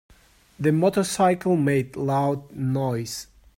The motorcycle made loud noise.